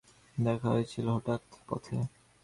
দেখা হইয়াছিল হঠাৎ, পথে!